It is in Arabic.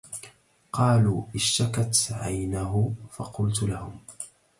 قالوا اشتكت عينه فقلت لهم